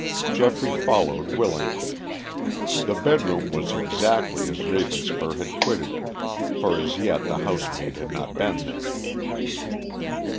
Geoffrey followed willingly. The bed room was exactly as Ravenspur had quitted it, for as yet the housemaid had not been there.